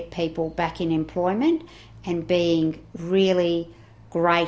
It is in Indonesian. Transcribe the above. atau apakah penyempatan untuk menjaga orang orang di pengembang